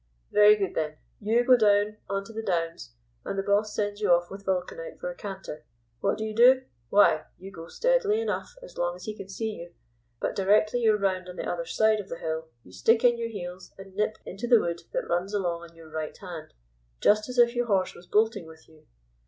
"Very good then. You go down on to the Downs, and the boss sends you off with Vulcanite for a canter. What do you do? Why, you go steadily enough as long as he can see you, but directly you're round on the other side of the hill you stick in your heels, and nip into the wood that runs along on your right hand, just as if your horse was bolting with you.